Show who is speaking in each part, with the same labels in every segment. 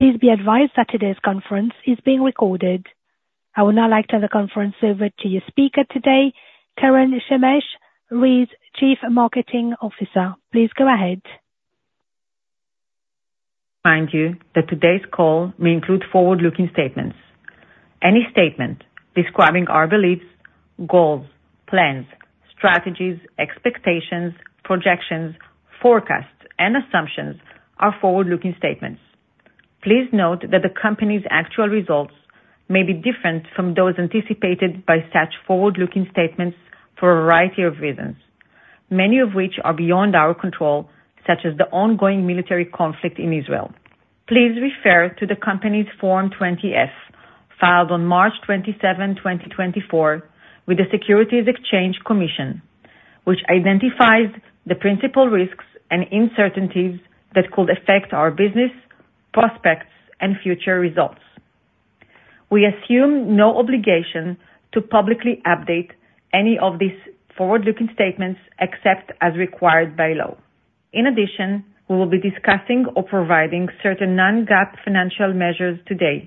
Speaker 1: Please be advised that today's conference is being recorded. I would now like to turn the conference over to your speaker today, Keren Shemesh, REE's Chief Marketing Officer. Please go ahead.
Speaker 2: Remind you that today's call may include forward-looking statements. Any statement describing our beliefs, goals, plans, strategies, expectations, projections, forecasts, and assumptions are forward-looking statements. Please note that the company's actual results may be different from those anticipated by such forward-looking statements for a variety of reasons, many of which are beyond our control, such as the ongoing military conflict in Israel. Please refer to the company's Form 20-F, filed on March 27, 2024, with the Securities and Exchange Commission, which identifies the principal risks and uncertainties that could affect our business, prospects, and future results. We assume no obligation to publicly update any of these forward-looking statements, except as required by law. In addition, we will be discussing or providing certain non-GAAP financial measures today,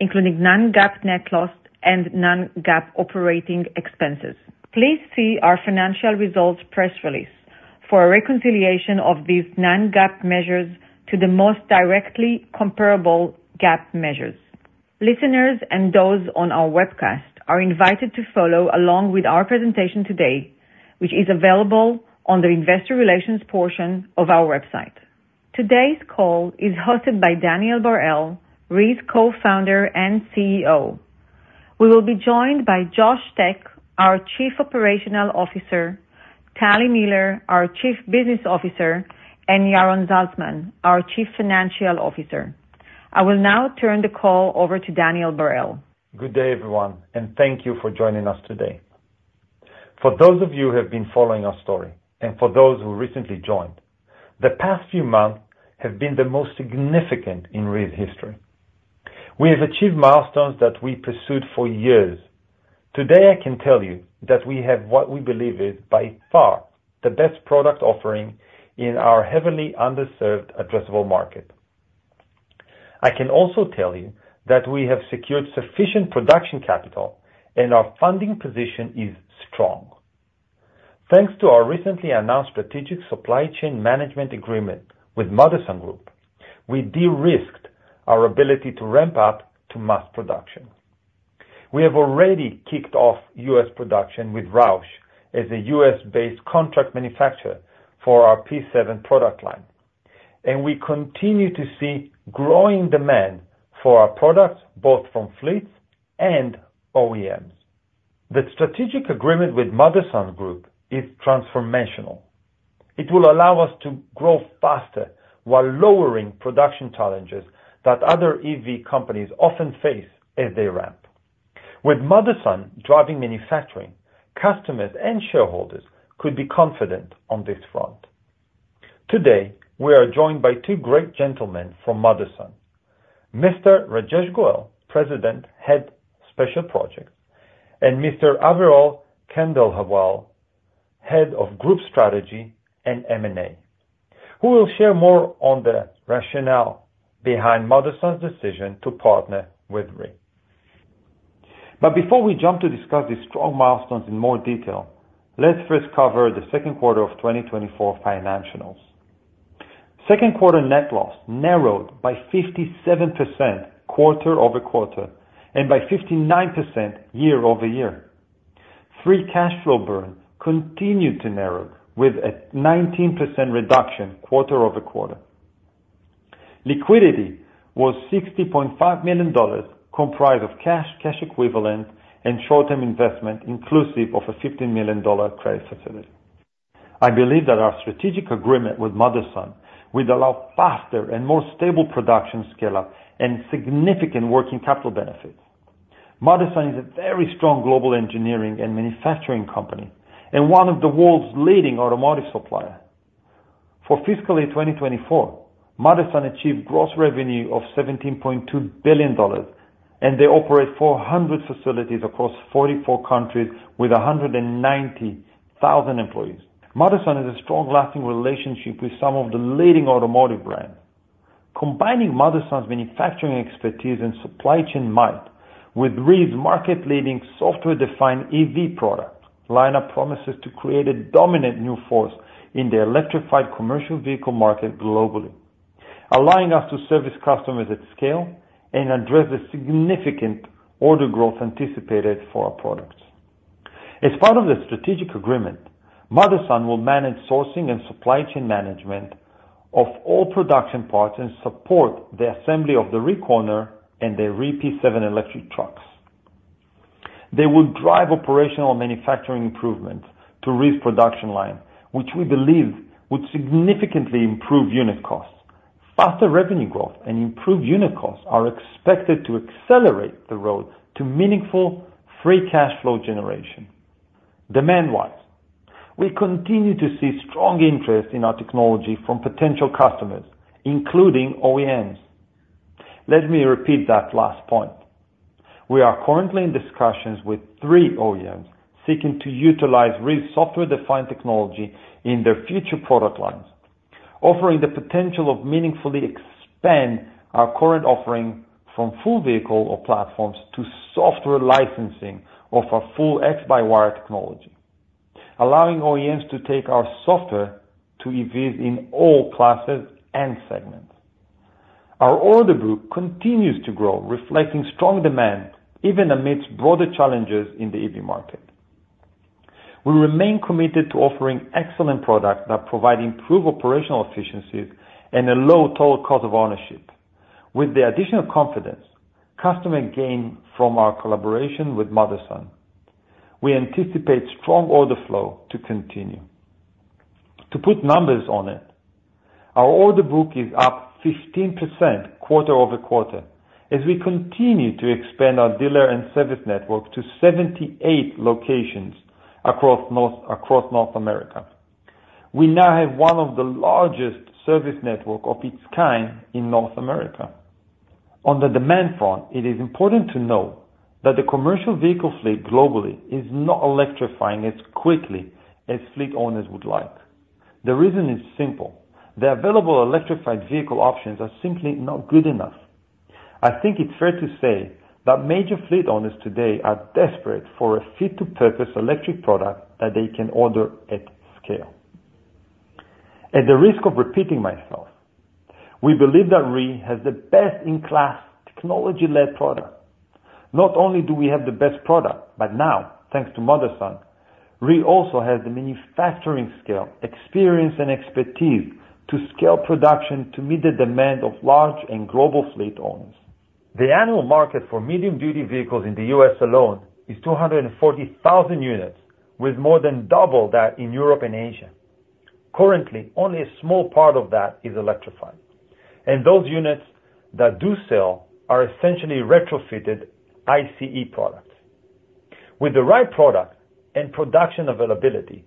Speaker 2: including non-GAAP net loss and non-GAAP operating expenses. Please see our financial results press release for a reconciliation of these non-GAAP measures to the most directly comparable GAAP measures. Listeners and those on our webcast are invited to follow along with our presentation today, which is available on the investor relations portion of our website. Today's call is hosted by Daniel Barel, REE's co-founder and CEO. We will be joined by Josh Tech, our Chief Operating Officer, Tali Miller, our Chief Business Officer, and Yaron Zaltsman, our Chief Financial Officer. I will now turn the call over to Daniel Barel.
Speaker 3: Good day, everyone, and thank you for joining us today. For those of you who have been following our story, and for those who recently joined, the past few months have been the most significant in REE's history. We have achieved milestones that we pursued for years. Today, I can tell you that we have what we believe is by far the best product offering in our heavily underserved addressable market. I can also tell you that we have secured sufficient production capital, and our funding position is strong. Thanks to our recently announced strategic supply chain management agreement with Motherson Group, we de-risked our ability to ramp up to mass production. We have already kicked off U.S. production with Roush as a U.S.-based contract manufacturer for our P7 product line, and we continue to see growing demand for our products, both from fleets and OEMs. The strategic agreement with Motherson Group is transformational. It will allow us to grow faster while lowering production challenges that other EV companies often face as they ramp. With Motherson driving manufacturing, customers and shareholders could be confident on this front. Today, we are joined by two great gentlemen from Motherson, Mr. Rajesh Goel, President, Head of Special Projects, and Mr. Aviral Khandelwal, Head of Group Strategy and M&A, who will share more on the rationale behind Motherson's decision to partner with REE Automotive. But before we jump to discuss these strong milestones in more detail, let's first cover the second quarter of 2024 financials. Second quarter net loss narrowed by 57% quarter over quarter, and by 59% year over year. Free cash flow burn continued to narrow with a 19% reduction quarter over quarter. Liquidity was $60.5 million, comprised of cash, cash equivalents, and short-term investments, inclusive of a $50 million credit facility. I believe that our strategic agreement with Motherson will allow faster and more stable production scale-up and significant working capital benefits. Motherson is a very strong global engineering and manufacturing company and one of the world's leading automotive suppliers. For fiscal year 2024, Motherson achieved gross revenue of $17.2 billion, and they operate 400 facilities across 44 countries with 190,000 employees. Motherson has a strong, lasting relationship with some of the leading automotive brands. Combining Motherson's manufacturing expertise and supply chain might with REE's market-leading software-defined EV product, lineup promises to create a dominant new force in the electrified commercial vehicle market globally, allowing us to service customers at scale and address the significant order growth anticipated for our products. As part of the strategic agreement, Motherson will manage sourcing and supply chain management of all production parts and support the assembly of the REEcorner and the REE P7 electric trucks. They will drive operational manufacturing improvements to REE's production line, which we believe would significantly improve unit costs. Faster revenue growth and improved unit costs are expected to accelerate the road to meaningful free cash flow generation. Demand-wise, we continue to see strong interest in our technology from potential customers, including OEMs. Let me repeat that last point. We are currently in discussions with three OEMs, seeking to utilize REE software-defined technology in their future product lines, offering the potential of meaningfully expand our current offering from full vehicle or platforms to software licensing of our full X-by-wire technology, allowing OEMs to take our software to EVs in all classes and segments. Our order book continues to grow, reflecting strong demand, even amidst broader challenges in the EV market. We remain committed to offering excellent products that provide improved operational efficiencies and a low total cost of ownership. With the additional confidence customer gain from our collaboration with Motherson, we anticipate strong order flow to continue. To put numbers on it, our order book is up 15% quarter over quarter as we continue to expand our dealer and service network to 78 locations across North America. We now have one of the largest service network of its kind in North America. On the demand front, it is important to note that the commercial vehicle fleet globally is not electrifying as quickly as fleet owners would like. The reason is simple: the available electrified vehicle options are simply not good enough. I think it's fair to say that major fleet owners today are desperate for a fit-to-purpose electric product that they can order at scale. At the risk of repeating myself, we believe that REE has the best-in-class technology-led product. Not only do we have the best product, but now, thanks to Motherson, REE also has the manufacturing scale, experience, and expertise to scale production to meet the demand of large and global fleet owners. The annual market for medium-duty vehicles in the U.S. alone is 240,000 units, with more than double that in Europe and Asia. Currently, only a small part of that is electrified, and those units that do sell are essentially retrofitted ICE products. With the right product and production availability,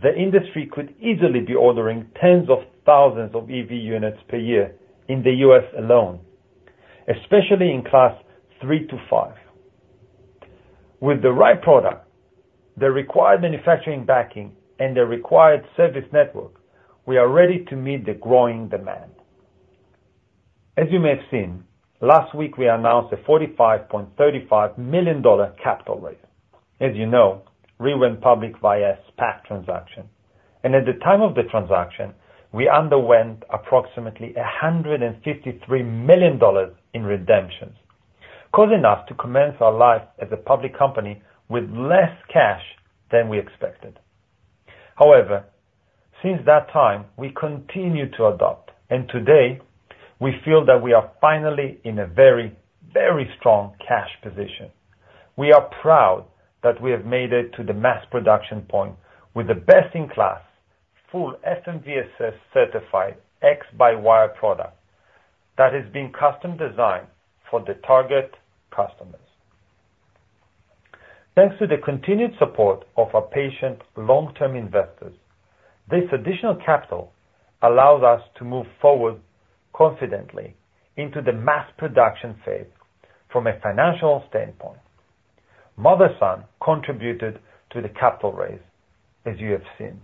Speaker 3: the industry could easily be ordering tens of thousands of EV units per year in the U.S. alone, especially in Class 3 to 5. With the right product, the required manufacturing backing, and the required service network, we are ready to meet the growing demand. As you may have seen, last week, we announced a $45.35 million capital raise. As you know, REE went public via SPAC transaction, and at the time of the transaction, we underwent approximately $153 million in redemptions, causing us to commence our life as a public company with less cash than we expected. However, since that time, we continue to adapt, and today, we feel that we are finally in a very, very strong cash position. We are proud that we have made it to the mass production point with the best-in-class, full FMVSS-certified X-by-wire product that has been custom-designed for the target customers. Thanks to the continued support of our patient long-term investors, this additional capital allows us to move forward confidently into the mass production phase from a financial standpoint. Motherson contributed to the capital raise, as you have seen,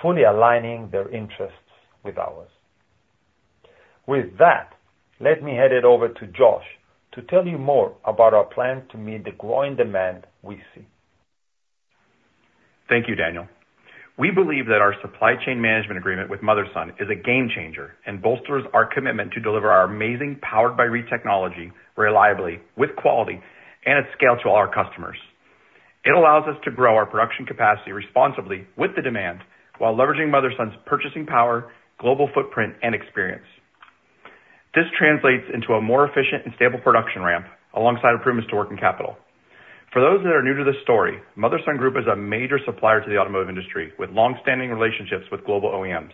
Speaker 3: fully aligning their interests with ours. With that, let me hand it over to Josh to tell you more about our plan to meet the growing demand we see.
Speaker 4: Thank you, Daniel. We believe that our supply chain management agreement with Motherson is a game changer and bolsters our commitment to deliver our amazing Powered by REE technology reliably, with quality, and at scale to all our customers. It allows us to grow our production capacity responsibly with the demand, while leveraging Motherson's purchasing power, global footprint, and experience. This translates into a more efficient and stable production ramp alongside improvements to working capital. For those that are new to this story, Motherson Group is a major supplier to the automotive industry, with long-standing relationships with global OEMs,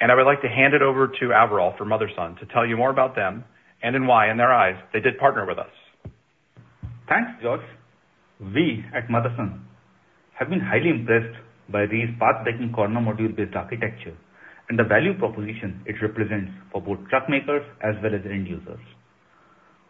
Speaker 4: and I would like to hand it over to Aviral from Motherson to tell you more about them and then why, in their eyes, they did partner with us.
Speaker 5: Thanks, Josh. We at Motherson have been highly impressed by REE's path-breaking corner module-based architecture and the value proposition it represents for both truck makers as well as end users.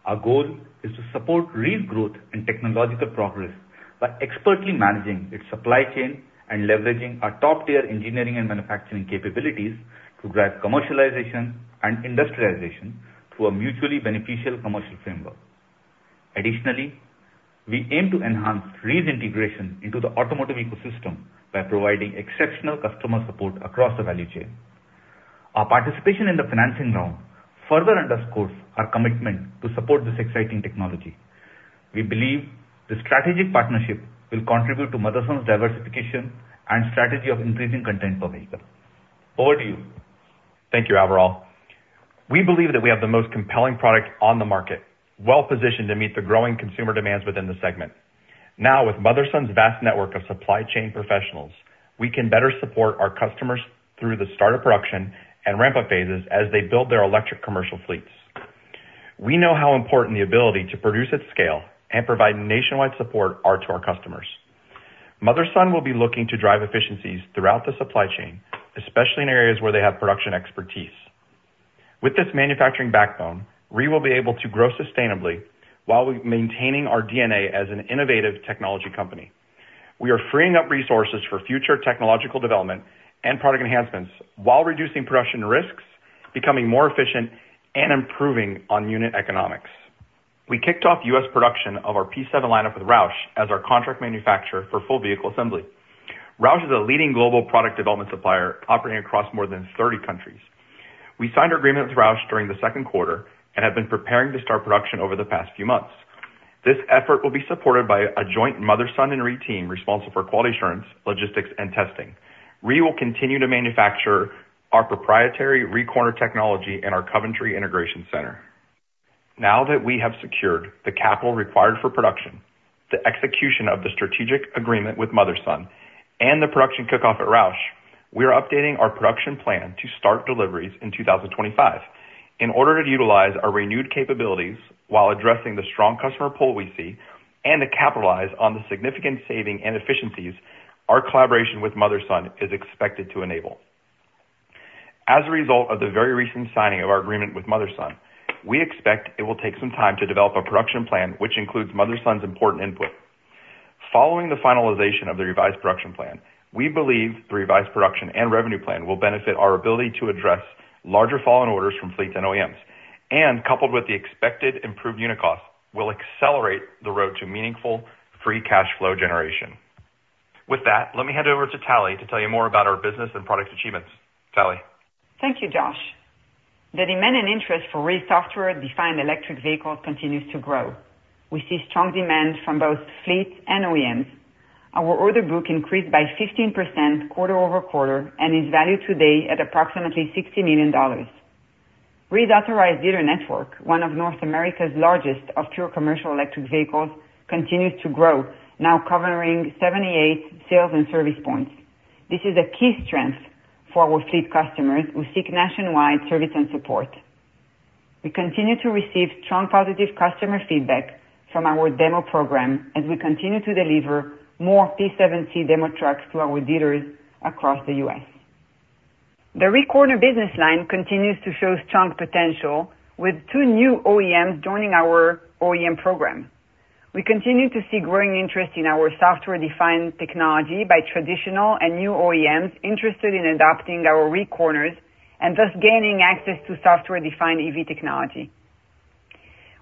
Speaker 5: Our goal is to support REE's growth and technological progress by expertly managing its supply chain and leveraging our top-tier engineering and manufacturing capabilities to drive commercialization and industrialization through a mutually beneficial commercial framework. Additionally, we aim to enhance REE's integration into the automotive ecosystem by providing exceptional customer support across the value chain. Our participation in the financing round further underscores our commitment to support this exciting technology. We believe this strategic partnership will contribute to Motherson's diversification and strategy of increasing content per vehicle. Over to you.
Speaker 4: Thank you, Aviral. We believe that we have the most compelling product on the market, well-positioned to meet the growing consumer demands within the segment. Now, with Motherson's vast network of supply chain professionals, we can better support our customers through the start of production and ramp-up phases as they build their electric commercial fleets. We know how important the ability to produce at scale and provide nationwide support are to our customers. Motherson will be looking to drive efficiencies throughout the supply chain, especially in areas where they have production expertise. With this manufacturing backbone, we will be able to grow sustainably while we maintaining our DNA as an innovative technology company. We are freeing up resources for future technological development and product enhancements while reducing production risks, becoming more efficient and improving on unit economics. We kicked off U.S. production of our P7 lineup with Roush as our contract manufacturer for full vehicle assembly. Roush is a leading global product development supplier operating across more than thirty countries. We signed our agreement with Roush during the second quarter and have been preparing to start production over the past few months. This effort will be supported by a joint Motherson and REE team responsible for quality assurance, logistics, and testing. We will continue to manufacture our proprietary REEcorner technology in our Coventry Integration Center. Now that we have secured the capital required for production, the execution of the strategic agreement with Motherson, and the production kickoff at Roush, we are updating our production plan to start deliveries in 2025, in order to utilize our renewed capabilities while addressing the strong customer pull we see, and to capitalize on the significant savings and efficiencies our collaboration with Motherson is expected to enable. As a result of the very recent signing of our agreement with Motherson, we expect it will take some time to develop a production plan which includes Motherson's important input. Following the finalization of the revised production plan, we believe the revised production and revenue plan will benefit our ability to address larger follow-on orders from fleets and OEMs, and coupled with the expected improved unit costs, will accelerate the road to meaningful free cash flow generation. With that, let me hand over to Tali to tell you more about our business and product achievements. Tali?
Speaker 6: Thank you, Josh. The demand and interest for REE software-defined electric vehicles continues to grow. We see strong demand from both fleet and OEMs. Our order book increased by 15% quarter over quarter and is valued today at approximately $60 million. REE's authorized dealer network, one of North America's largest of pure commercial electric vehicles, continues to grow, now covering 78 sales and service points. This is a key strength for our fleet customers who seek nationwide service and support. We continue to receive strong positive customer feedback from our demo program as we continue to deliver more P7-C demo trucks to our dealers across the U.S. The REEcorner business line continues to show strong potential, with two new OEMs joining our OEM program. We continue to see growing interest in our software-defined technology by traditional and new OEMs interested in adopting our REEcorners and thus gaining access to software-defined EV technology.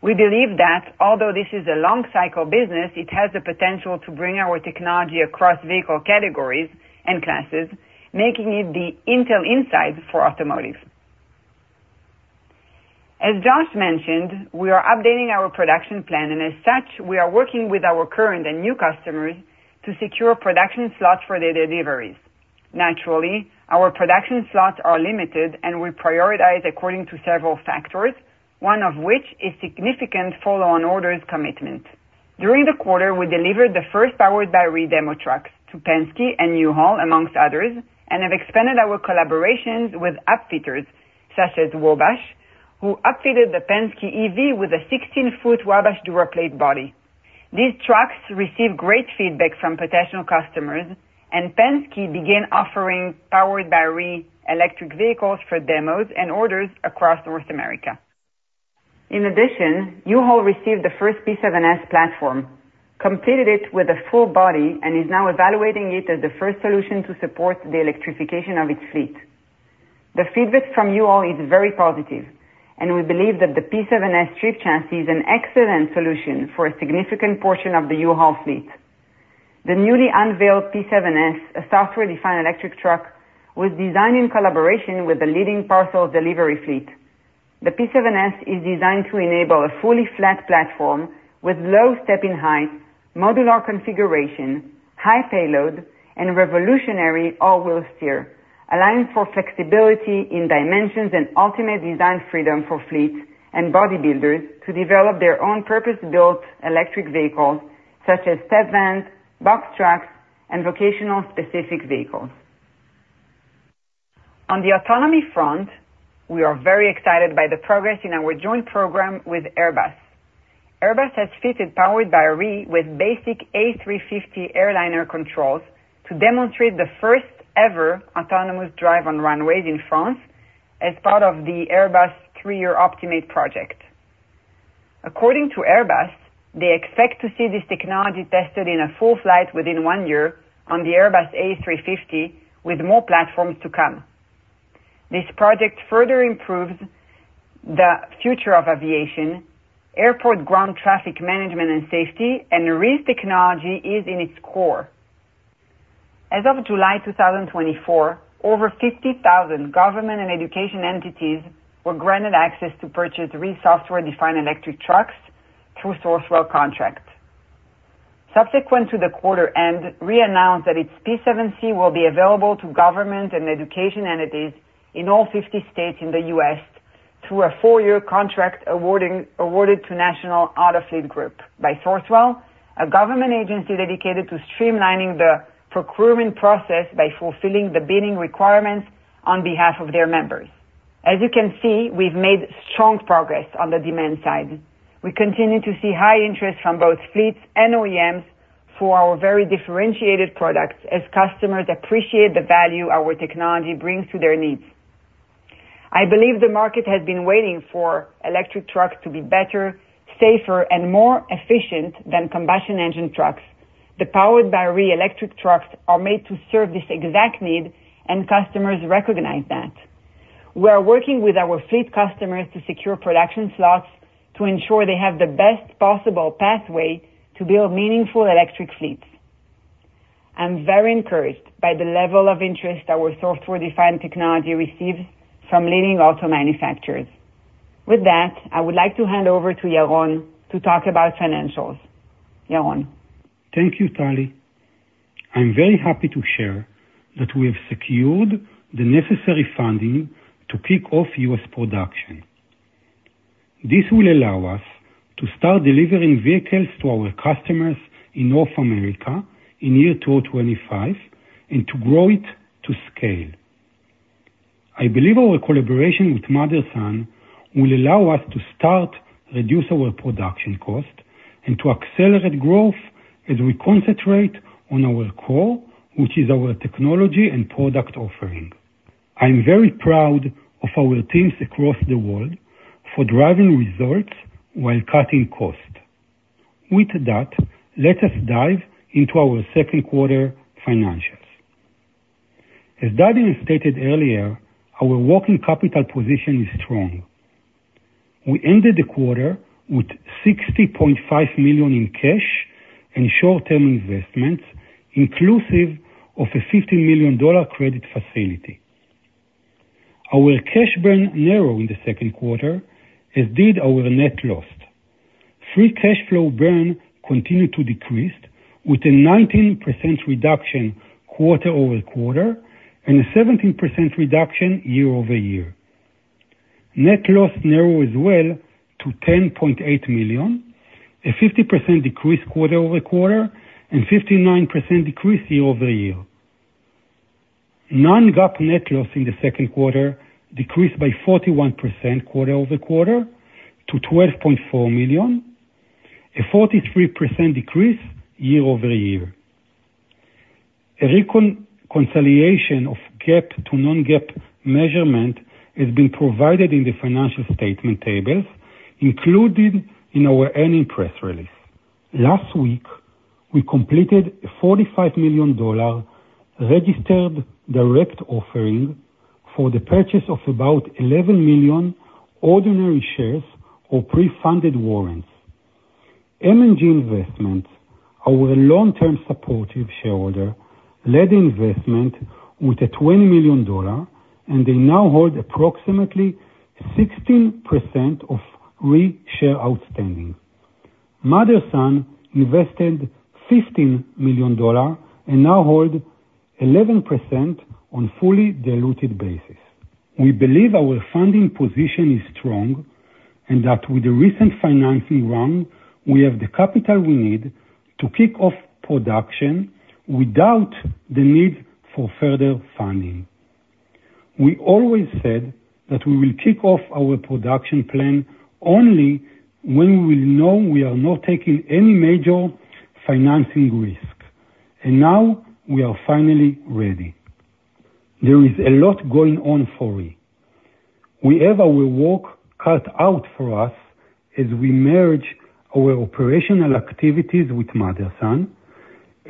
Speaker 6: We believe that although this is a long cycle business, it has the potential to bring our technology across vehicle categories and classes, making it the Intel Inside for automotive. As Josh mentioned, we are updating our production plan, and as such, we are working with our current and new customers to secure production slots for their deliveries. Naturally, our production slots are limited, and we prioritize according to several factors, one of which is significant follow-on orders commitment. During the quarter, we delivered the first Powered by REE demo trucks to Penske and U-Haul, amongst others, and have expanded our collaborations with upfitters such as Wabash, who upfitted the Penske EV with a 16-foot Wabash DuraPlate body. These trucks received great feedback from potential customers, and Penske began offering Powered by REE electric vehicles for demos and orders across North America. In addition, U-Haul received the first P7-S platform, completed it with a full body, and is now evaluating it as the first solution to support the electrification of its fleet. The feedback from U-Haul is very positive, and we believe that the P7-S stripped chassis is an excellent solution for a significant portion of the U-Haul fleet. The newly unveiled P7-S, a software-defined electric truck, was designed in collaboration with the leading parcel delivery fleet. The P7-S is designed to enable a fully flat platform with low step-in height, modular configuration, high payload, and revolutionary all-wheel steer, allowing for flexibility in dimensions and ultimate design freedom for fleet and body builders to develop their own purpose-built electric vehicles, such as step vans, box trucks, and vocational specific vehicles. On the autonomy front, we are very excited by the progress in our joint program with Airbus. Airbus has fitted Powered by REE with basic A350 airliner controls to demonstrate the first-ever autonomous drive on runways in France as part of the Airbus three-year Optimate project. According to Airbus, they expect to see this technology tested in a full flight within one year on the Airbus A350, with more platforms to come. This project further improves the future of aviation, airport ground traffic management, and safety, and REE's technology is in its core. As of July 2, 2024, over 50,000 government and education entities were granted access to purchase REE software-defined electric trucks through Sourcewell contract. Subsequent to the quarter end, REE announced that its P7-C will be available to government and education entities in all 50 states in the U.S. through a four-year contract awarded to National Auto Fleet Group by Sourcewell, a government agency dedicated to streamlining the procurement process by fulfilling the bidding requirements on behalf of their members. As you can see, we've made strong progress on the demand side. We continue to see high interest from both fleets and OEMs for our very differentiated products, as customers appreciate the value our technology brings to their needs. I believe the market has been waiting for electric trucks to be better, safer, and more efficient than combustion engine trucks. The Powered by REE electric trucks are made to serve this exact need, and customers recognize that. We are working with our fleet customers to secure production slots to ensure they have the best possible pathway to build meaningful electric fleets. I'm very encouraged by the level of interest our software-defined technology receives from leading auto manufacturers. With that, I would like to hand over to Yaron to talk about financials. Yaron?
Speaker 7: Thank you, Tali. I'm very happy to share that we have secured the necessary funding to kick off US production. This will allow us to start delivering vehicles to our customers in North America in 2025, and to grow it to scale. I believe our collaboration with Motherson will allow us to start reduce our production cost and to accelerate growth as we concentrate on our core, which is our technology and product offering. I'm very proud of our teams across the world for driving results while cutting costs. With that, let us dive into our second quarter financials. As Daniel stated earlier, our working capital position is strong. We ended the quarter with $60.5 million in cash and short-term investments, inclusive of a $50 million credit facility. Our cash burn narrowed in the second quarter, as did our net loss. Free cash flow burn continued to decrease, with a 19% reduction quarter over quarter and a 17% reduction year over year. Net loss narrowed as well to $10.8 million, a 50% decrease quarter over quarter, and 59% decrease year over year. Non-GAAP net loss in the second quarter decreased by 41% quarter over quarter to $12.4 million, a 43% decrease year over year. A reconciliation of GAAP to non-GAAP measurement has been provided in the financial statement tables, including in our annual press release. Last week, we completed a $45 million registered direct offering for the purchase of about 11 million ordinary shares or pre-funded warrants. M&G Investments, our long-term supportive shareholder, led the investment with a $20 million, and they now hold approximately 16% of REE shares outstanding. Motherson invested $15 million and now hold 11% on fully diluted basis. We believe our funding position is strong, and that with the recent financing round, we have the capital we need to kick off production without the need for further funding. We always said that we will kick off our production plan only when we know we are not taking any major financing risk, and now we are finally ready. There is a lot going on for REE. We have our work cut out for us as we merge our operational activities with Motherson,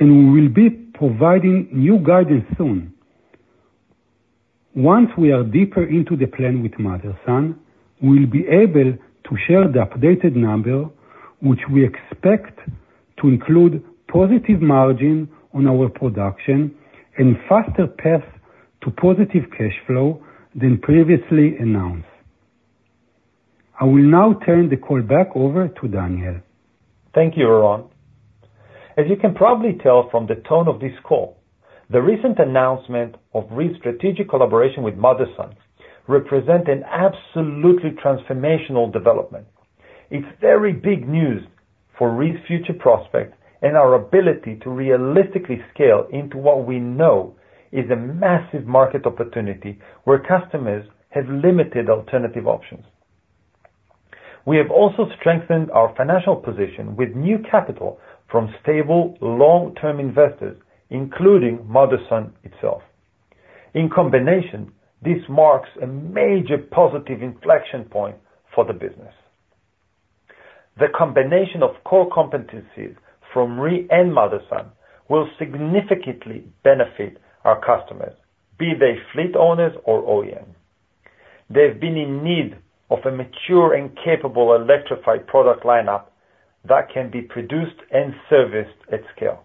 Speaker 7: and we will be providing new guidance soon. Once we are deeper into the plan with Motherson, we will be able to share the updated number, which we expect to include positive margin on our production and faster path to positive cash flow than previously announced. I will now turn the call back over to Daniel.
Speaker 3: Thank you, Yaron. As you can probably tell from the tone of this call, the recent announcement of REE's strategic collaboration with Motherson represents an absolutely transformational development. It's very big news for REE's future prospects and our ability to realistically scale into what we know is a massive market opportunity, where customers have limited alternative options. We have also strengthened our financial position with new capital from stable, long-term investors, including Motherson itself. In combination, this marks a major positive inflection point for the business. The combination of core competencies from REE and Motherson will significantly benefit our customers, be they fleet owners or OEMs. They've been in need of a mature and capable electrified product lineup that can be produced and serviced at scale.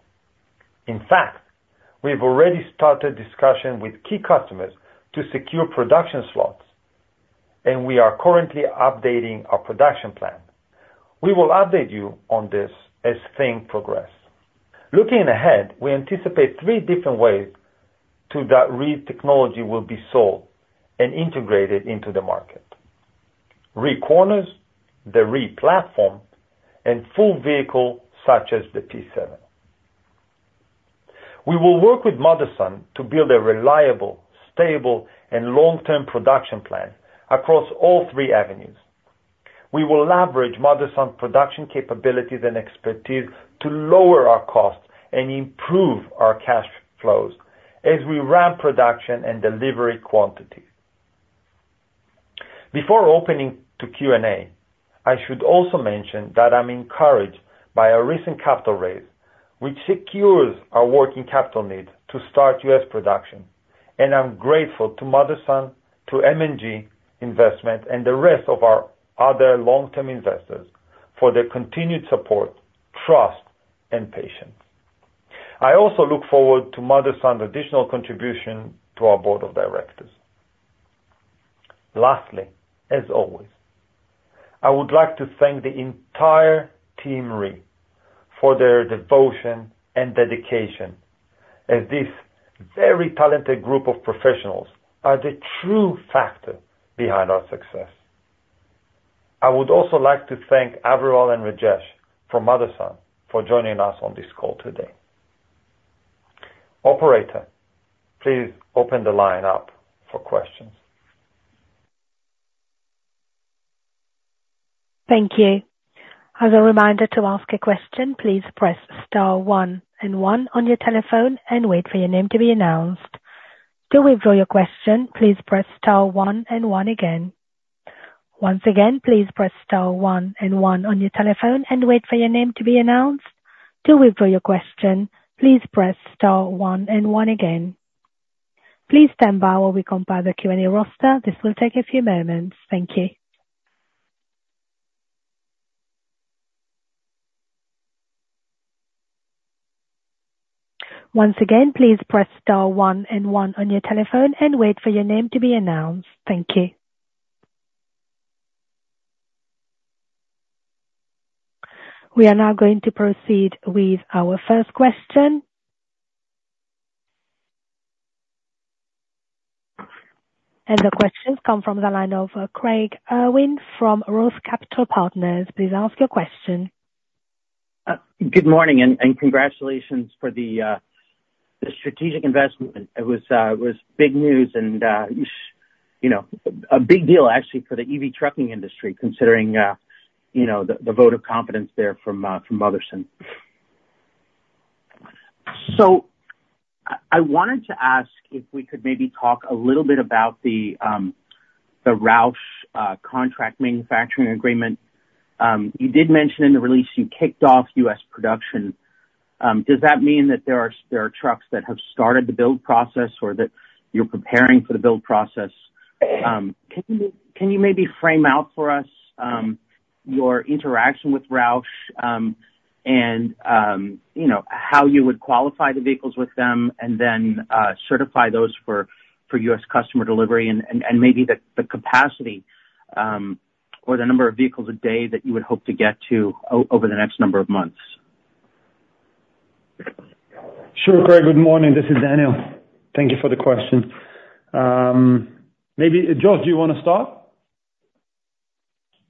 Speaker 3: In fact, we've already started discussions with key customers to secure production slots, and we are currently updating our production plan. We will update you on this as things progress. Looking ahead, we anticipate three different ways to that REE technology will be sold and integrated into the market. REEcorners, the REE platform, and full vehicle such as the P7. We will work with Motherson to build a reliable, stable, and long-term production plan across all three avenues. We will leverage Motherson's production capabilities and expertise to lower our costs and improve our cash flows as we ramp production and delivery quantities. Before opening to Q&A, I should also mention that I'm encouraged by our recent capital raise, which secures our working capital needs to start US production, and I'm grateful to Motherson, to M&G Investments, and the rest of our other long-term investors for their continued support, trust, and patience. I also look forward to Motherson's additional contribution to our board of directors. Lastly, as always, I would like to thank the entire team REE for their devotion and dedication, as this very talented group of professionals are the true factor behind our success. I would also like to thank Aviral and Rajesh from Motherson for joining us on this call today. Operator, please open the line up for questions.
Speaker 1: Thank you. As a reminder, to ask a question, please press star one and one on your telephone and wait for your name to be announced. To withdraw your question, please press star one and one again. Once again, please press star one and one on your telephone and wait for your name to be announced. To withdraw your question, please press star one and one again. Please stand by while we compile the Q&A roster. This will take a few moments. Thank you. Once again, please press star one and one on your telephone and wait for your name to be announced. Thank you. We are now going to proceed with our first question. And the question comes from the line of Craig Irwin from ROTH Capital Partners. Please ask your question.
Speaker 8: Good morning, and congratulations for the strategic investment. It was big news and you know, a big deal actually for the EV trucking industry, considering you know, the vote of confidence there from Motherson. So I wanted to ask if we could maybe talk a little bit about the Roush contract manufacturing agreement. You did mention in the release you kicked off U.S. production. Does that mean that there are trucks that have started the build process or that you're preparing for the build process? Can you maybe frame out for us, your interaction with Roush, and, you know, how you would qualify the vehicles with them and then certify those for U.S. customer delivery and maybe the capacity or the number of vehicles a day that you would hope to get to over the next number of months?
Speaker 3: Sure, Craig. Good morning. This is Daniel. Thank you for the question. Maybe, Josh, do you want to start?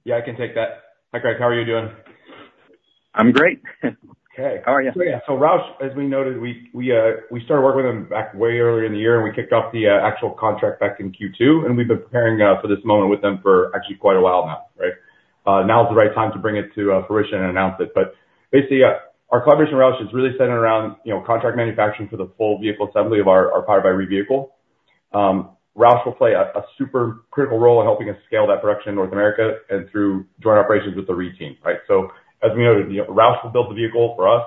Speaker 9: Yeah, I can take that. Hi, Craig. How are you doing?
Speaker 8: I'm great.
Speaker 9: Okay.
Speaker 8: How are you?
Speaker 9: So, yeah. So Roush, as we noted, we started working with them back way earlier in the year, and we kicked off the actual contract back in Q2, and we've been preparing for this moment with them for actually quite a while now, right? Now is the right time to bring it to fruition and announce it. But basically, our collaboration with Roush is really centered around, you know, contract manufacturing for the full vehicle assembly of our Powered by REE vehicle. Roush will play a super critical role in helping us scale that production in North America and through joint operations with the REE team, right? So as we noted, you know, Roush will build the vehicle for us.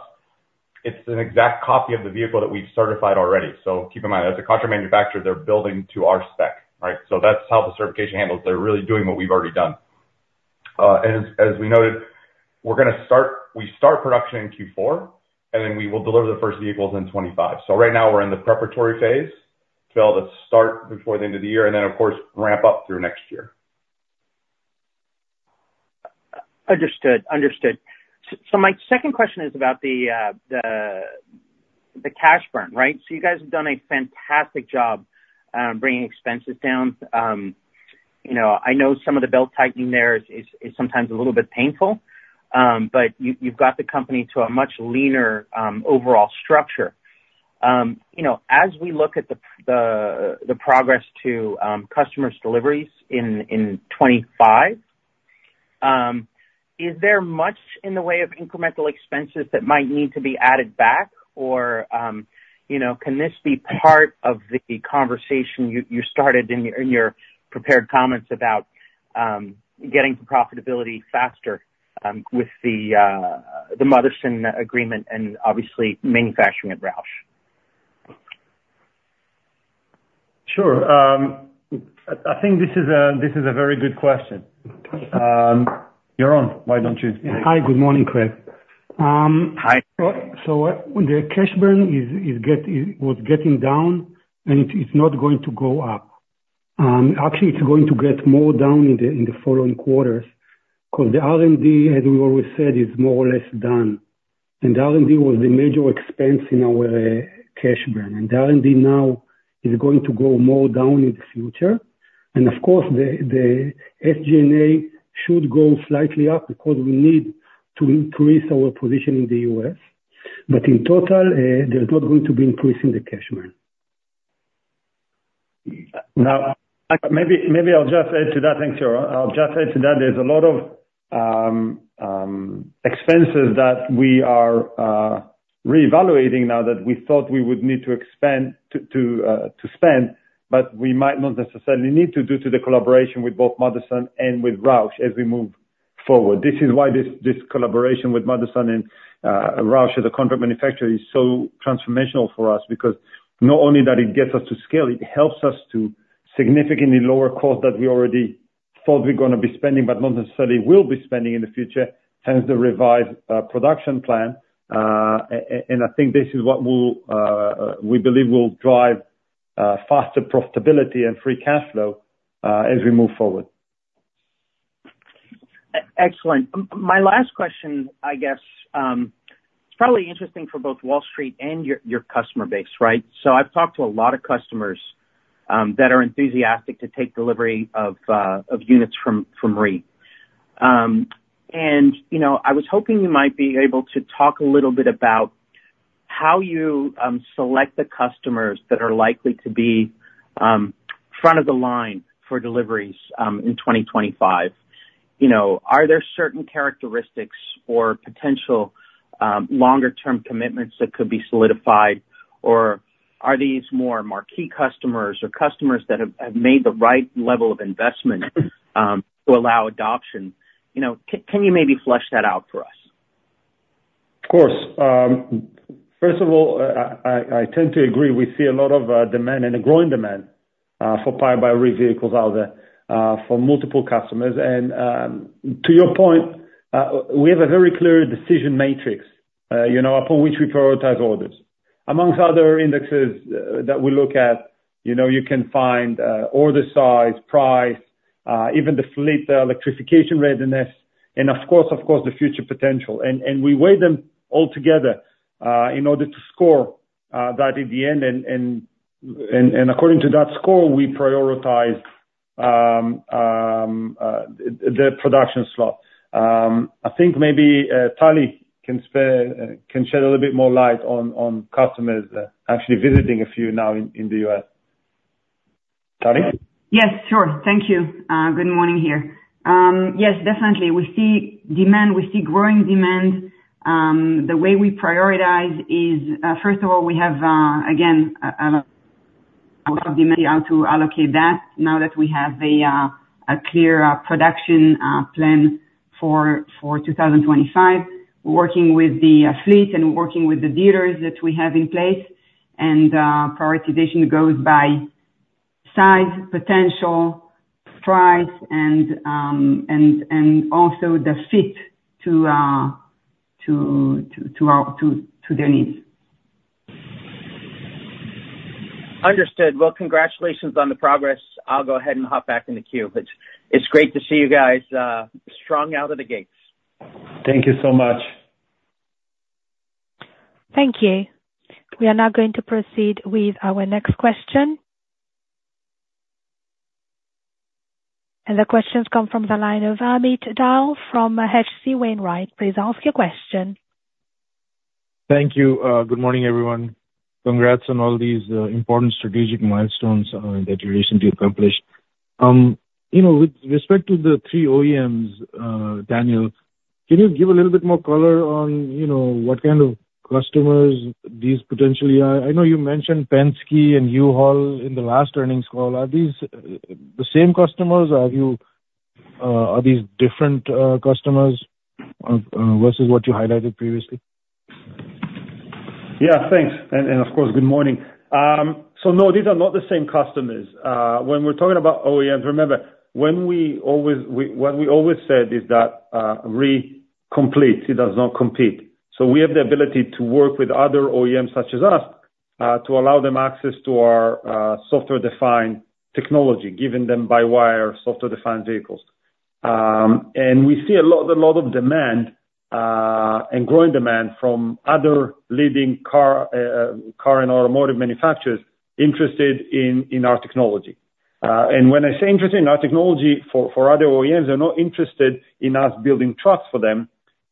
Speaker 9: It's an exact copy of the vehicle that we've certified already. So keep in mind, as a contract manufacturer, they're building to our spec, right? So that's how the certification handles. They're really doing what we've already done. And as we noted, we're gonna start—we start production in Q4, and then we will deliver the first vehicles in 2025. So right now we're in the preparatory phase to be able to start before the end of the year, and then, of course, ramp up through next year.
Speaker 8: Understood. Understood. So my second question is about the cash burn, right? So you guys have done a fantastic job bringing expenses down. You know, I know some of the belt-tightening there is sometimes a little bit painful, but you, you've got the company to a much leaner overall structure. You know, as we look at the progress to customers' deliveries in 2025, is there much in the way of incremental expenses that might need to be added back? Or, you know, can this be part of the conversation you started in your prepared comments about getting to profitability faster with the Motherson agreement and obviously manufacturing at Roush?
Speaker 3: Sure. I think this is a very good question. Yaron, why don't you?
Speaker 7: Hi. Good morning, Craig.
Speaker 8: Hi.
Speaker 7: So the cash burn was getting down, and it's not going to go up. Actually, it's going to get more down in the following quarters, because the R&D, as we always said, is more or less done. The R&D was a major expense in our cash burn, and the R&D now is going to go more down in the future. Of course, the SG&A should go slightly up because we need to increase our position in the U.S. But in total, there's not going to be increase in the cash burn.
Speaker 3: Now, maybe, maybe I'll just add to that. Thanks, Yaron. I'll just add to that. There's a lot of expenses that we are reevaluating now that we thought we would need to expand to spend, but we might not necessarily need to do to the collaboration with both Motherson and with Roush as we move forward. This is why this collaboration with Motherson and Roush as a contract manufacturer is so transformational for us, because not only that, it gets us to scale. It helps us to significantly lower costs that we already thought we're gonna be spending, but not necessarily will be spending in the future, hence the revised production plan. And I think this is what will we believe will drive faster profitability and free cash flow as we move forward.
Speaker 8: Excellent. My last question, I guess, it's probably interesting for both Wall Street and your customer base, right? So I've talked to a lot of customers that are enthusiastic to take delivery of units from REE. And, you know, I was hoping you might be able to talk a little bit about how you select the customers that are likely to be front of the line for deliveries in 2025. You know, are there certain characteristics or potential longer term commitments that could be solidified? Or are these more marquee customers or customers that have made the right level of investment to allow adoption? You know, can you maybe flesh that out for us?
Speaker 3: Of course. First of all, I tend to agree, we see a lot of demand and a growing demand for Powered by REE vehicles out there for multiple customers. And to your point, we have a very clear decision matrix you know upon which we prioritize orders. Among other indexes that we look at, you know, you can find order size, price, even the fleet electrification readiness, and of course the future potential. And we weigh them all together in order to score that in the end and according to that score we prioritize the production slot. I think maybe Tali can shed a little bit more light on customers actually visiting a few now in the US. Tali?
Speaker 6: Yes, sure. Thank you. Good morning here. Yes, definitely. We see demand, we see growing demand. The way we prioritize is, first of all, we have, again, a lot of demand how to allocate that now that we have a clear production plan for 2025. We're working with the fleet and working with the dealers that we have in place, and prioritization goes by size, potential, price, and also the fit to their needs.
Speaker 8: Understood. Congratulations on the progress. I'll go ahead and hop back in the queue, but it's great to see you guys, strong out of the gates.
Speaker 3: Thank you so much.
Speaker 1: Thank you. We are now going to proceed with our next question. And the questions come from the line of Amit Dayal from H.C. Wainwright. Please ask your question.
Speaker 10: Thank you. Good morning, everyone. Congrats on all these important strategic milestones that you recently accomplished. You know, with respect to the three OEMs, Daniel, can you give a little bit more color on, you know, what kind of customers these potentially are? I know you mentioned Penske and U-Haul in the last earnings call. Are these the same customers, or are these different customers versus what you highlighted previously?
Speaker 3: Yeah, thanks. And, and of course, good morning. So no, these are not the same customers. When we're talking about OEMs, remember, what we always said is that REE completes, it does not compete. So we have the ability to work with other OEMs such as us to allow them access to our software-defined technology, giving them by-wire software-defined vehicles. And we see a lot, a lot of demand and growing demand from other leading car and automotive manufacturers interested in our technology. And when I say interested in our technology, for other OEMs, they're not interested in us building trucks for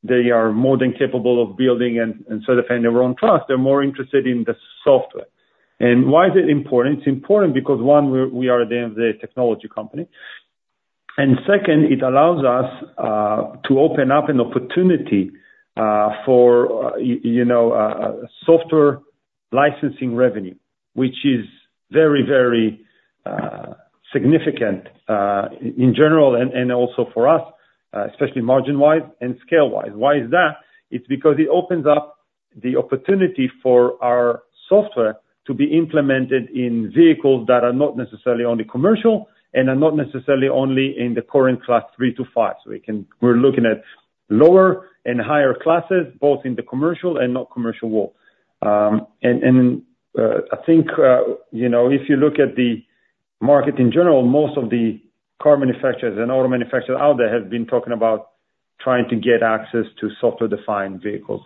Speaker 3: them. They are more than capable of building and so depending their own trucks, they're more interested in the software. And why is it important? It's important because, one, we are a technology company, and second, it allows us to open up an opportunity for you know software licensing revenue, which is very, very significant in general, and also for us, especially margin-wise and scale-wise. Why is that? It's because it opens up the opportunity for our software to be implemented in vehicles that are not necessarily only commercial and are not necessarily only in the current class three to five. So we're looking at lower and higher classes, both in the commercial and not commercial world. I think you know, if you look at the market in general, most of the car manufacturers and auto manufacturers out there have been talking about trying to get access to software-defined vehicles.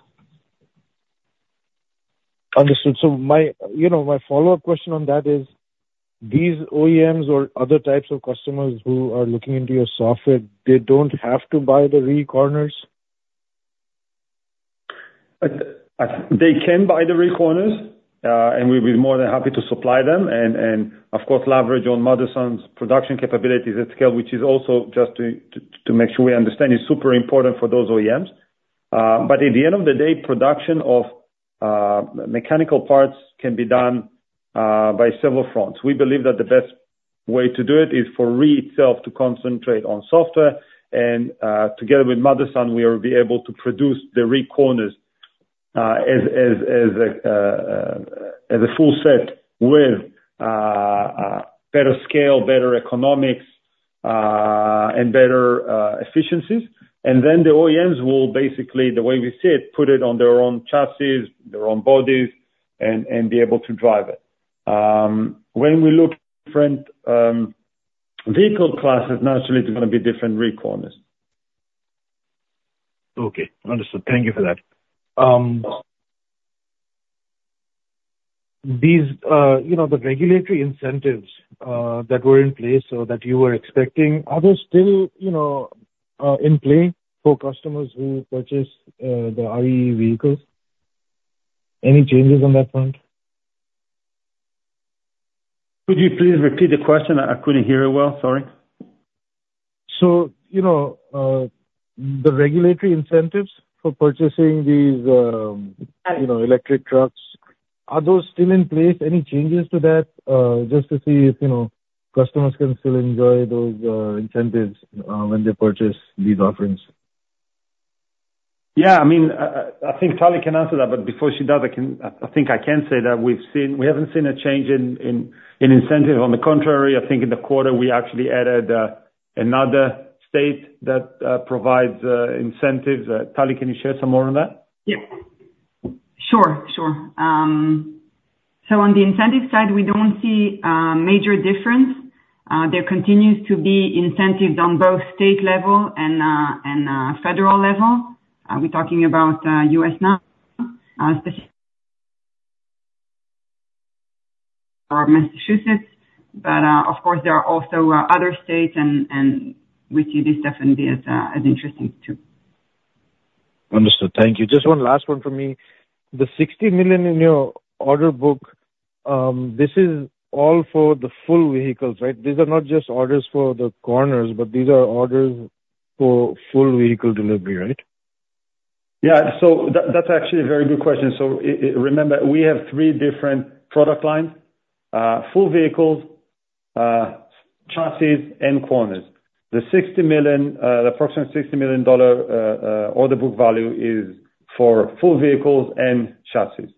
Speaker 10: Understood. So my, you know, my follow-up question on that is, these OEMs or other types of customers who are looking into your software, they don't have to buy the REEcorners?
Speaker 3: They can buy the REEcorners, and we'll be more than happy to supply them, and, of course, leverage on Motherson's production capabilities at scale, which is also just to make sure we understand, is super important for those OEMs. But at the end of the day, production of mechanical parts can be done by several fronts. We believe that the best way to do it is for REE itself to concentrate on software, and together with Motherson, we will be able to produce the REEcorners as a full set with better scale, better economics, and better efficiencies. And then the OEMs will basically, the way we see it, put it on their own chassis, their own bodies, and be able to drive it. When we look at different vehicle classes, naturally there's gonna be different REEcorners.
Speaker 10: Okay, understood. Thank you for that. These, you know, the regulatory incentives that were in place so that you were expecting, are they still, you know, in play for customers who purchase the EV vehicles? Any changes on that front?
Speaker 3: Could you please repeat the question? I couldn't hear it well. Sorry.
Speaker 10: So, you know, the regulatory incentives for purchasing these, you know, electric trucks, are those still in place? Any changes to that, just to see if, you know, customers can still enjoy those incentives when they purchase these offerings?
Speaker 3: Yeah, I mean, I think Tali can answer that, but before she does, I can. I think I can say that we haven't seen a change in incentive. On the contrary, I think in the quarter, we actually added another state that provides incentives. Tali, can you share some more on that?
Speaker 6: Yeah. Sure, sure. So on the incentive side, we don't see major difference. There continues to be incentives on both state level and federal level. We're talking about U.S. now, specifically or Massachusetts, but of course, there are also other states and we see this definitely as interesting, too.
Speaker 10: Understood. Thank you. Just one last one for me. The $60 million in your order book, this is all for the full vehicles, right? These are not just orders for the corners, but these are orders for full vehicle delivery, right?
Speaker 3: Yeah. That's actually a very good question. So remember, we have three different product lines, full vehicles, chassis, and corners. The approximate $60 million order book value is for full vehicles and chassis.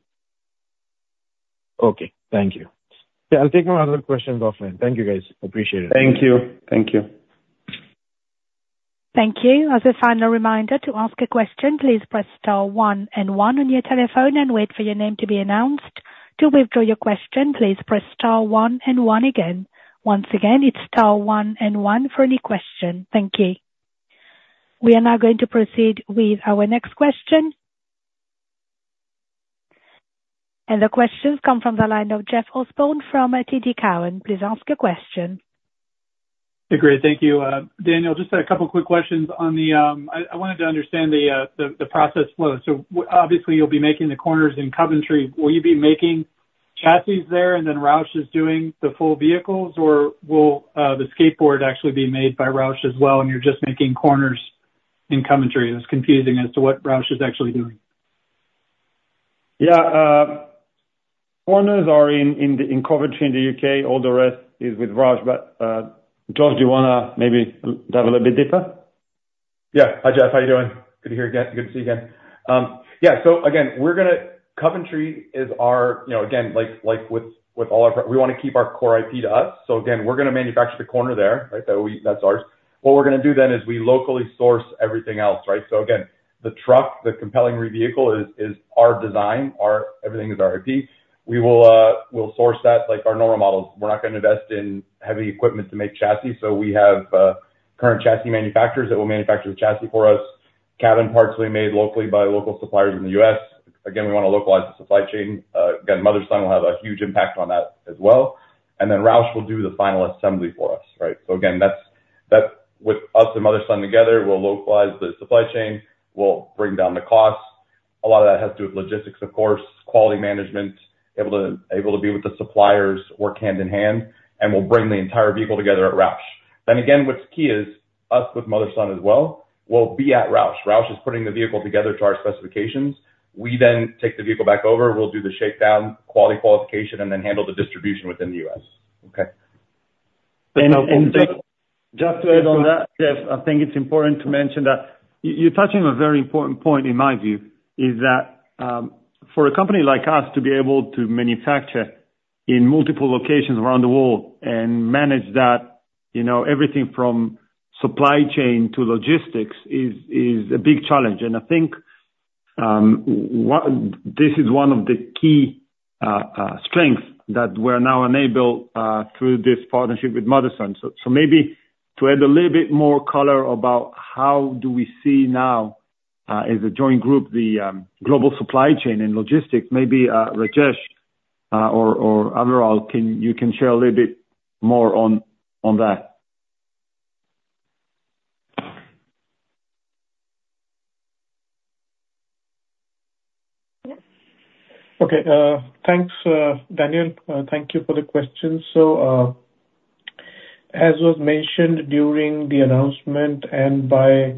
Speaker 10: Okay, thank you. Yeah, I'll take my other questions offline. Thank you, guys. Appreciate it.
Speaker 3: Thank you. Thank you.
Speaker 1: Thank you. As a final reminder to ask a question, please press star one and one on your telephone and wait for your name to be announced. To withdraw your question, please press star one and one again. Once again, it's star one and one for any question. Thank you. We are now going to proceed with our next question, and the question comes from the line of Jeff Osborne from TD Cowen. Please ask your question.
Speaker 11: Hey, great. Thank you, Daniel, just a couple quick questions on the—I wanted to understand the process flow. So obviously, you'll be making the corners in Coventry. Will you be making chassis there, and then Roush is doing the full vehicles, or will the skateboard actually be made by Roush as well, and you're just making corners in Coventry? It's confusing as to what Roush is actually doing.
Speaker 3: Yeah, corners are in Coventry, in the U.K. All the rest is with Roush. But, Josh, do you wanna maybe dive a little bit deeper?
Speaker 9: Yeah. Hi, Jeff. How you doing? Good to hear again. Good to see you again. Yeah, so again, we're gonna, Coventry is our, you know, again, like, with all our, we wanna keep our core IP to us. So again, we're gonna manufacture the corner there, right? That we—that's ours. What we're gonna do then is we locally source everything else, right? So again, the truck, the compelling REE vehicle is our design, our—everything is our IP. We will, we'll source that like our normal models. We're not gonna invest in heavy equipment to make chassis, so we have current chassis manufacturers that will manufacture the chassis for us. Cabin parts will be made locally by local suppliers in the U.S. Again, we wanna localize the supply chain. Again, Motherson will have a huge impact on that as well. And then Roush will do the final assembly for us, right? So again, that's with us and Motherson together, we'll localize the supply chain. We'll bring down the costs. A lot of that has to do with logistics, of course, quality management, able to be with the suppliers, work hand in hand, and we'll bring the entire vehicle together at Roush. Then again, what's key is us with Motherson as well, we'll be at Roush. Roush is putting the vehicle together to our specifications. We then take the vehicle back over, we'll do the shakedown, quality qualification, and then handle the distribution within the US.
Speaker 11: Okay.
Speaker 3: And just to add on that, Jeff, I think it's important to mention that you, you're touching on a very important point in my view, is that, for a company like us to be able to manufacture in multiple locations around the world and manage that, you know, everything from supply chain to logistics, is a big challenge. And I think this is one of the key strength that we're now enabled through this partnership with Motherson. So maybe to add a little bit more color about how do we see now, as a joint group, the global supply chain and logistics, maybe, Rajesh, or overall, can you share a little bit more on that?
Speaker 12: Okay, thanks, Daniel. Thank you for the question. So, as was mentioned during the announcement and by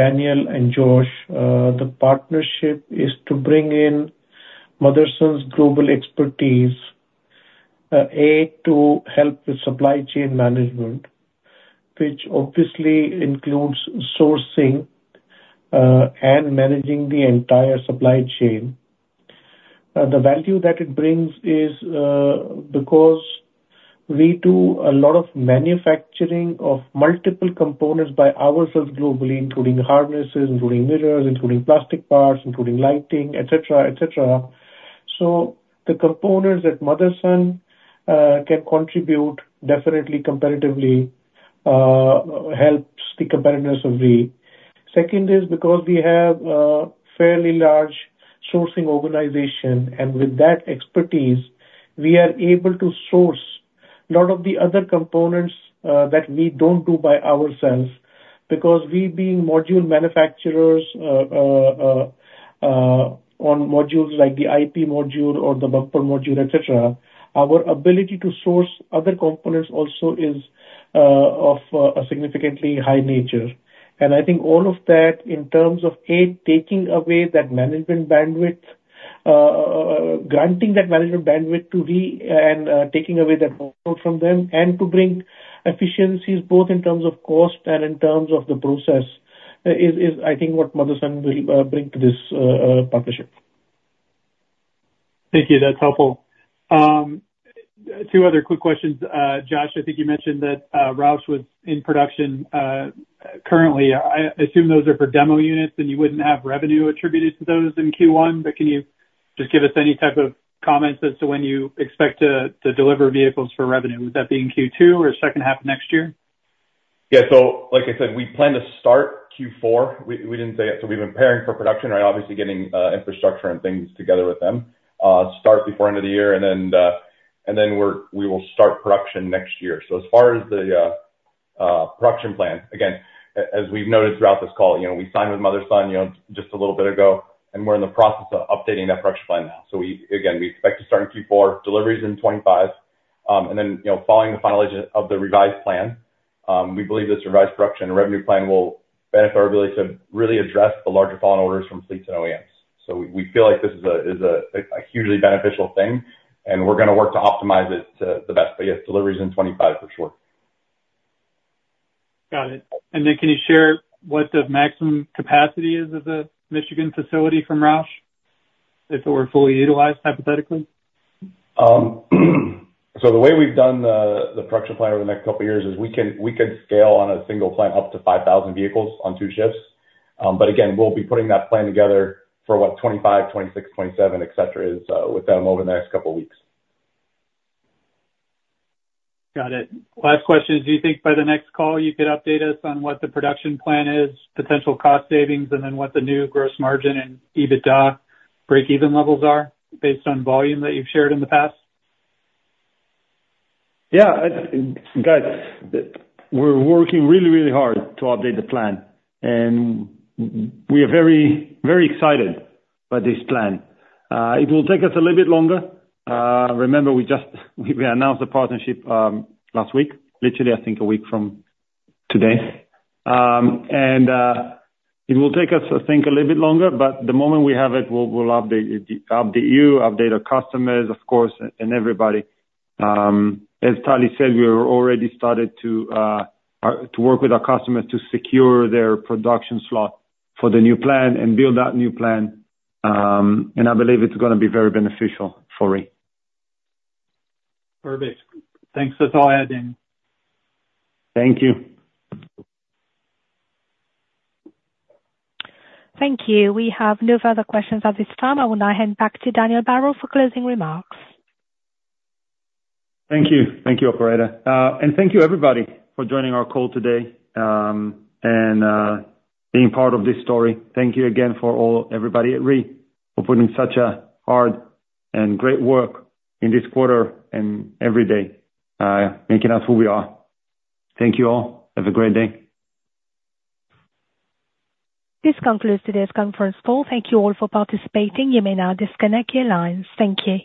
Speaker 12: Daniel and Josh, the partnership is to bring in Motherson's global expertise to help with supply chain management, which obviously includes sourcing and managing the entire supply chain. The value that it brings is because we do a lot of manufacturing of multiple components by ourselves globally, including harnesses, including mirrors, including plastic parts, including lighting, et cetera, et cetera. So the components that Motherson can contribute definitely competitively helps the competitiveness. Second is because we have a fairly large sourcing organization, and with that expertise, we are able to source a lot of the other components that we don't do by ourselves, because we being module manufacturers on modules like the IP module or the bumper module, et cetera, our ability to source other components also is of a significantly high nature. And I think all of that in terms of A, taking away that management bandwidth, granting that management bandwidth to we and taking away that from them, and to bring efficiencies both in terms of cost and in terms of the process is, I think what Motherson will bring to this partnership.
Speaker 11: Thank you. That's helpful. Two other quick questions. Josh, I think you mentioned that Roush was in production currently. I assume those are for demo units, and you wouldn't have revenue attributed to those in Q1, but can you just give us any type of comments as to when you expect to deliver vehicles for revenue? Would that be in Q2 or second half of next year?
Speaker 9: Yeah. So like I said, we plan to start Q4. We didn't say it, so we've been preparing for production, right? Obviously getting infrastructure and things together with them. Start before end of the year and then we will start production next year. So as far as the production plan, again, as we've noted throughout this call, you know, we signed with Motherson just a little bit ago, and we're in the process of updating that production plan now. So we again expect to start in Q4, deliveries in 2025. And then, following the finalization of the revised plan, we believe this revised production and revenue plan will benefit our ability to really address the larger volume orders from fleets and OEMs. We feel like this is a hugely beneficial thing, and we're gonna work to optimize it to the best, but yes, delivery is in 2025 for sure.
Speaker 11: Got it. And then can you share what the maximum capacity is of the Michigan facility from Roush, if it were fully utilized, hypothetically?
Speaker 9: So the way we've done the production plan over the next couple of years is we could scale on a single plant up to 5000 vehicles on two shifts. But again, we'll be putting that plan together for 2025, 2026, 2027, et cetera, with them over the next couple of weeks.
Speaker 11: Got it. Last question, do you think by the next call, you could update us on what the production plan is, potential cost savings, and then what the new gross margin and EBITDA breakeven levels are based on volume that you've shared in the past?
Speaker 3: Yeah, guys, we're working really, really hard to update the plan, and we are very, very excited by this plan. It will take us a little bit longer. Remember, we just announced the partnership last week, literally, I think a week from today. And it will take us, I think, a little bit longer, but the moment we have it, we'll update it, update you, update our customers, of course, and everybody. As Tali said, we are already started to work with our customers to secure their production slot for the new plan and build that new plan. And I believe it's gonna be very beneficial for me.
Speaker 11: Perfect. Thanks. That's all I had, Dan.
Speaker 3: Thank you.
Speaker 1: Thank you. We have no further questions at this time. I will now hand back to Daniel Barel for closing remarks.
Speaker 3: Thank you. Thank you, operator. And thank you everybody for joining our call today, and being part of this story. Thank you again for all, everybody at REE, for putting such a hard and great work in this quarter and every day, making us who we are. Thank you all. Have a great day.
Speaker 1: This concludes today's conference call. Thank you all for participating. You may now disconnect your lines. Thank you.